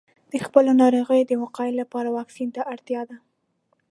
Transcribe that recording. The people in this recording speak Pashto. د خپلو ناروغیو د وقایې لپاره واکسین ته اړتیا ده.